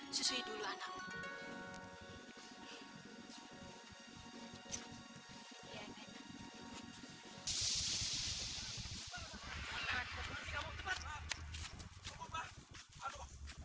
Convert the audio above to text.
susui dulu anakmu